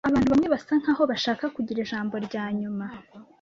Abantu bamwe basa nkaho bashaka kugira ijambo ryanyuma.